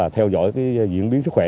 theo dõi diễn biến sức khỏe